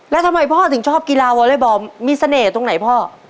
แล้วทำไมพ่อถึงชอบกีฬาวอเล็กบอลมีเสน่ห์ตรงไหนพ่อ